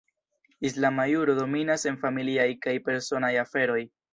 Islama juro dominas en familiaj kaj personaj aferoj.